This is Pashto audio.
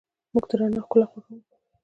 موږ د رڼا ښکلا خوښو.